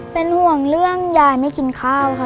เป็นห่วงเรื่องยายไม่กินข้าวค่ะ